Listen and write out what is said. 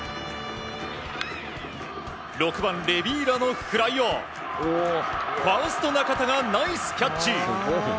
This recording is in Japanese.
６番、レービラのフライをファースト中田がナイスキャッチ！